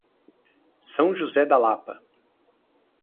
São José da Lapa